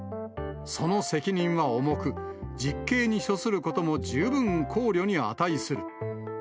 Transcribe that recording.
その責任は重く、実刑に処することも十分考慮に値する。